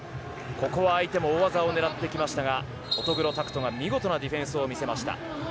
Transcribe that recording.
ここは相手も大技を狙ってきましたが乙黒拓斗が見事なディフェンスを見せました。